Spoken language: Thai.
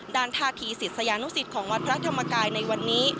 ท่าทีศิษยานุสิตของวัดพระธรรมกายในวันนี้